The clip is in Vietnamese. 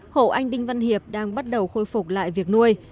hộ anh đinh văn hiệp đang bắt đầu khôi phục lại việc nuôi